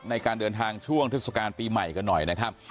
ในการเดินทางช่วงเทศกาลปีใหม่กันหน่อยนะครับ